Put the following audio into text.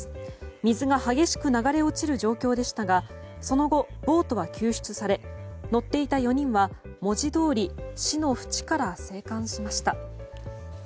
水が激しく流れ落ちる状況でしたがその後、ボートは救出され乗っていた４人は文字どおり死の淵から生還しました。